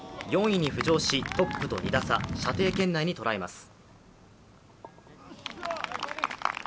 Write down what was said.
４位に浮上し、トップと２打差、射程圏内に捉えます。